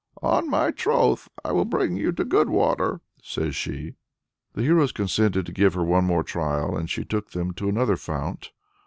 "On my troth I will bring you to good water," says she. The heroes consented to give her one more trial, and she took them to another fount.